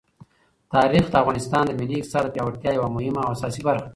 تاریخ د افغانستان د ملي اقتصاد د پیاوړتیا یوه مهمه او اساسي برخه ده.